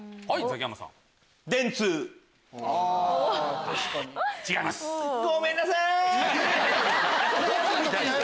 はい！